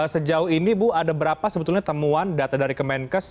sejauh ini bu ada berapa sebetulnya temuan data dari kemenkes